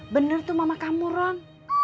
bener tuh mama kamu ron